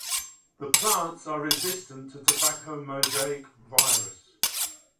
The plants are resistant to tobacco mosaic virus.